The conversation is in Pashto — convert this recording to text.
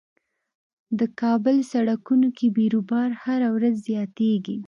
د کابل سړکونو کې بیروبار هر ورځ زياتيږي.